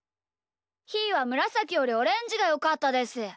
ひーはむらさきよりオレンジがよかったです。